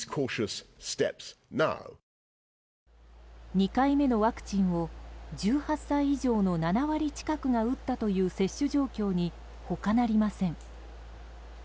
２回目のワクチンを１８歳以上の７割近くが打ったという接種状況に他なりません。